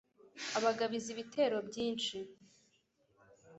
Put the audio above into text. abagabiza ibitero byinshi